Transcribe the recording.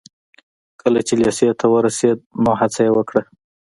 کله چې لېسې ته ورسېد نو هڅه يې وکړه.